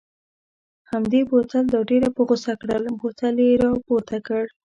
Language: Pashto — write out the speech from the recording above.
همدې بوتل دا ډېره په غوسه کړل، بوتل یې را پورته کړ.